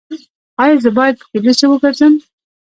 ایا زه باید پښې لوڅې وګرځم؟